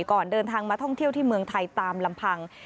ก่อนเดินทางมาท่องเที่ยวที่เมืองไทยตามลำพัง